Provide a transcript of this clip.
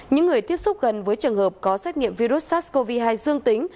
những người tiếp xúc gần với trường hợp có xét nghiệm virus sars cov hai dương tính